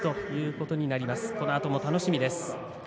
このあとも楽しみです。